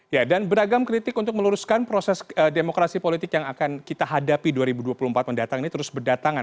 ya dan beragam kritik untuk meluruskan proses demokrasi politik yang akan kita hadapi dua ribu dua puluh empat mendatang ini terus berdatangan